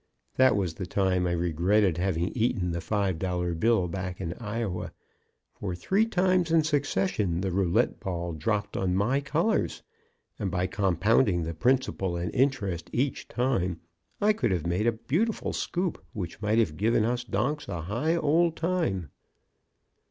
That was the time I regretted having eaten the five dollar bill back in Iowa, for three times in succession the roulette ball dropped on my colors, and by compounding the principal and interest each time I could have made a beautiful scoop which might have given us donks a high old time.